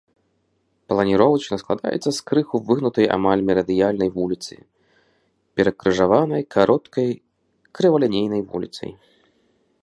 Планіровачна складаецца з крыху выгнутай амаль мерыдыянальнай вуліцы, перакрыжаванай кароткай крывалінейнай вуліцай.